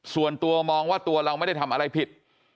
ส่วนตัวมองว่าตัวเราไม่ได้ทำอะไรผิด